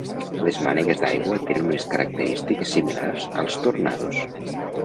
Les mànegues d'aigua tenen unes característiques similars als tornados.